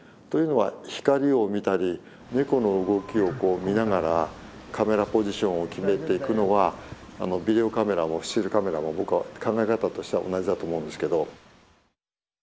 というのは光を見たりネコの動きを見ながらカメラポジションを決めていくのはビデオカメラもスチールカメラも僕は考え方としては同じだと思うんですけど。